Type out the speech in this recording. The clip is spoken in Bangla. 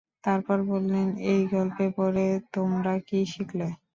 তারপর বললেন, এই গল্প পড়ে তোমরা কী শিখলে?